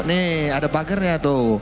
nih ada pagernya tuh